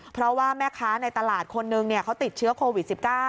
เพราะว่าแม่ค้าในตลาดคนนึงเขาติดเชื้อโควิด๑๙